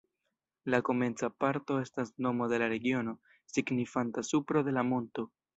La komenca parto estas nomo de la regiono, signifanta supro de la monto.